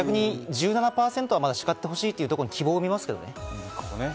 １７％はまだ叱ってほしいというところに僕は希望を見ますね。